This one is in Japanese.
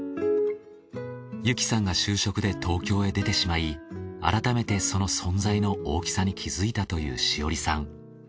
由希さんが就職で東京へ出てしまい改めてその存在の大きさに気づいたという志織さん。